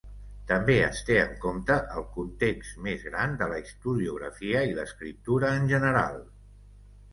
També es té en compte el context més gran de la historiografia i l'escriptura en general.